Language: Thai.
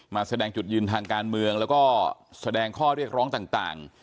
มาแสดงจุดยืนทางการเมืองแล้วก็แสดงข้อเรียกร้องต่าง